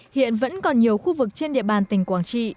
hiện vẫn còn nhiều khu vực trên địa bàn tỉnh quảng trị